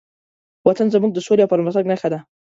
وطن زموږ د سولې او پرمختګ نښه ده.